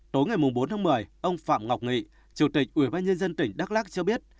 tối ngày bốn tháng một mươi ông phạm ngọc nghị chủ tịch ubnd tỉnh đắk lắc cho biết